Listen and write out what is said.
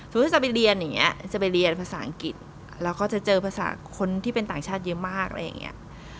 จะไปเรียนอย่างนี้จะไปเรียนภาษาอังกฤษแล้วก็จะเจอภาษาคนที่เป็นต่างชาติเยอะมากอะไรอย่างนี้